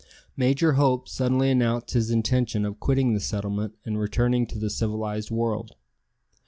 Major Hope suddenly announced his intention of quitting the settlement and returning to the civilized world.